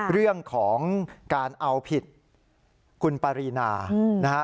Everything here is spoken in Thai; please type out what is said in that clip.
เรื่องของการเอาผิดคุณปรีนานะฮะ